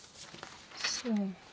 そう。